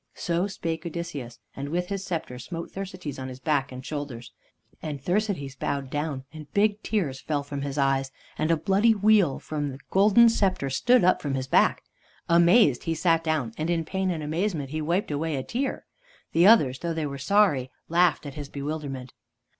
So spake Odysseus, and with his scepter smote Thersites on his back and shoulders. And Thersites bowed down, and big tears fell from his eyes, and a bloody weal from the golden scepter stood up from his back. Amazed he sat down, and in pain and amazement he wiped away a tear. The others, though they were sorry, laughed at his bewilderment.